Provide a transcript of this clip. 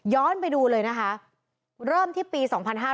ย้อนไปดูเลยนะฮะเริ่มที่ปี๒๕๕๐